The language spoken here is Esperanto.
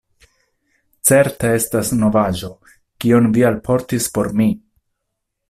Certe estas novaĵo, kion Vi alportis por mi!"